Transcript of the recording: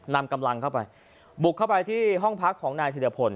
นำกำลังเข้าไปบุกเข้าไปที่ห้องพักของนายธิรพล